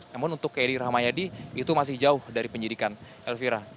namun untuk edi rahmayadi itu masih jauh dari penyidikan elvira